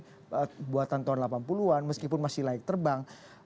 ini buatan tahun delapan puluh an meskipun masih layak terbang